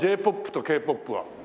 Ｊ−ＰＯＰとＫ−ＰＯＰは。